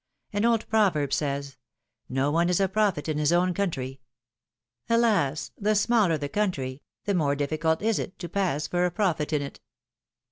An old proverb says : ^^No one is a prophet in his own country.^^ Alas ! the smaller the country, the more difficult is it to pass for a prophet in it.